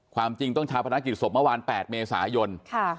ความจริงต้องชาวภนศักดิ์สมเมื่อวัน๘เมซายค่ะ